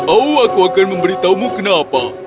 oh aku akan memberitahumu kenapa